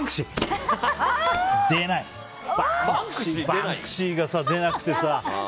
バンクシーが出なくてさ。